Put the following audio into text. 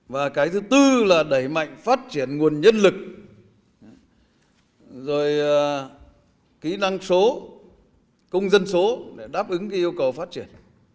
và cái thứ tư là đẩy mạnh phát triển nguồn nhân lực rồi kỹ năng số công dân số để đáp ứng cái yêu cầu phát triển